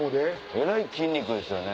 えらい筋肉ですよね。